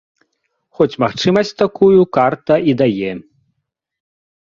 Хоць магчымасць такую карта і дае.